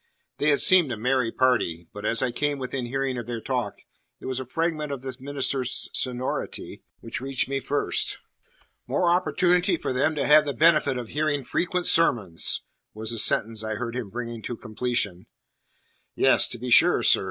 They had seemed a merry party. But as I came within hearing of their talk, it was a fragment of the minister's sonority which reached me first: "... more opportunity for them to have the benefit of hearing frequent sermons," was the sentence I heard him bring to completion. "Yes, to be sure, sir."